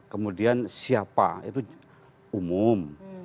kemudian siapa itu umum